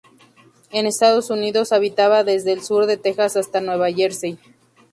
En Estados Unidos habitaba desde el sur de Texas hasta Nueva Jersey.